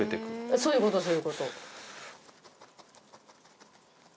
そういうことそういうこと。